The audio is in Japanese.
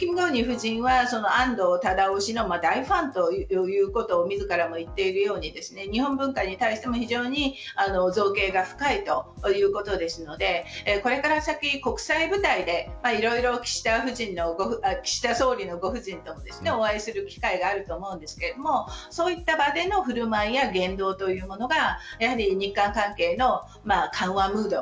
金建希夫人は安藤忠雄の大ファンと言っているように日本文化に対しても非常に造詣が深いということですので、これから先国際舞台でいろいろ岸田総理のご夫人とお会いする機会があると思うんですがそういった場での振る舞いや言動というものがやはり日韓関係の緩和ムード